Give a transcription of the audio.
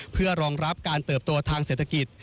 เพื่อรองรับการเติบโตทางเศรษฐกิจ